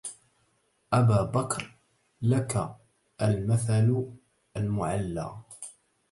أبا بكر لك المثل المعلى